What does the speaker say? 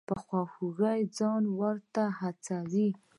په خواخوږۍ ځان ورته هڅوي.